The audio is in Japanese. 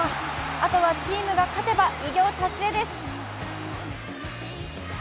あとはチームが勝てば偉業達成です。